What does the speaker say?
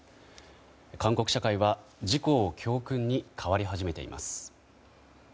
韓国社会は事故を教訓に変わり始めています。